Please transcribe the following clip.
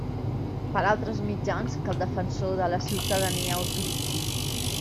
Pels altres mitjans que el Defensor de la Ciutadania autoritzi.